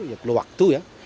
ya perlu waktu ya